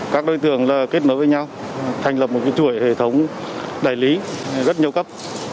các đối tượng kết nối với nhau thành lập một chuỗi hệ thống đại lý rất nhiều cấp